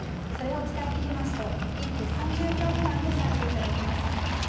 それを使い切りますと一手３０秒未満で指して頂きます。